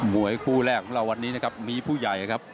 มวยคู่แรกของเราวันนี้นะครับมีผู้ใหญ่ครับ